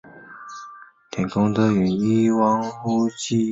寻擢汉军梅勒额真。